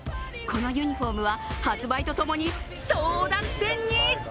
このユニフォームは、発売とともに争奪戦に。